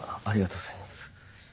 ありがとうございます。